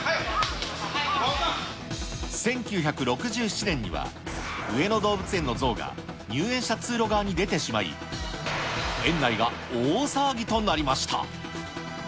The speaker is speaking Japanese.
１９６７年には、上野動物園のゾウが入園者通路側に出てしまい、園内が大騒ぎとなりました。